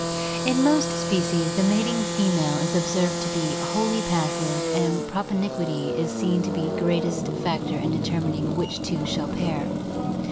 In most species the mating female is observed to be wholly passive and propinquity is seen to be the greatest factor in deter mining which two shall pair.